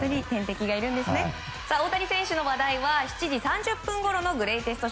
大谷選手の話題は７時３０分ごろのグレイテスト